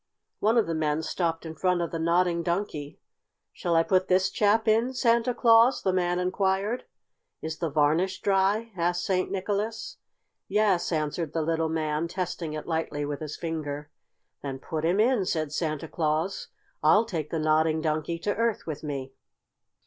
One of the men stopped in front of the Nodding Donkey. "Shall I put this chap in, Santa Claus?" the man inquired. "Is the varnish dry?" asked St. Nicholas. "Yes," answered the little man, testing it lightly with his finger. "Then put him in," said Santa Claus. "I'll take the Nodding Donkey to Earth with me."